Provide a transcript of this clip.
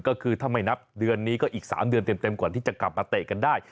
ก็คือถ้าไม่นับเดือนนี้ก็อีก๓เดือนเต็มก่อนที่จะกลับมาเตะกันได้